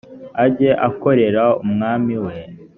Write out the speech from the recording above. ajye akorera umwami we